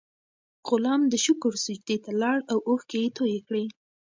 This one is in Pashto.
غلام د شکر سجدې ته لاړ او اوښکې یې تویې کړې.